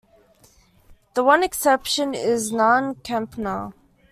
The one exception is Nan Kempner.